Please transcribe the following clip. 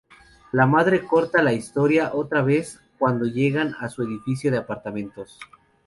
La Madre corta la historia otra vez cuando llegan a su edificio de apartamentos.